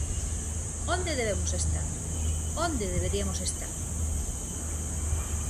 ¿Onde debemos estar?, ¿onde deberiamos estar?